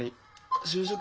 就職？